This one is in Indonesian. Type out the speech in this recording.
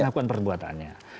yang penting kan